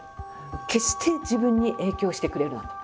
決して自分に影響してくれるなと。